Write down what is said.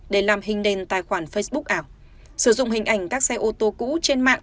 để làm hình nền tài khoản facebook ảo sử dụng hình ảnh các xe ô tô cũ trên mạng